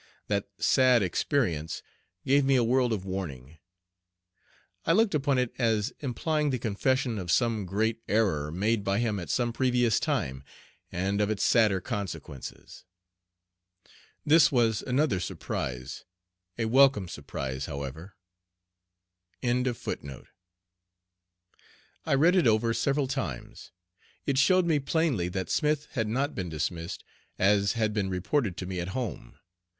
That "sad experience" gave me a world of warning. I looked upon it as implying the confession of some great error made by him at some previous time, and of its sadder consequences. This was another surprise a welcome surprise, however. I read it over several times. It showed me plainly that Smith had not been dismissed, as had been reported to me at home.